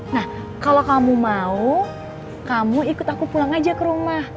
nah kalau kamu mau kamu ikut aku pulang aja ke rumah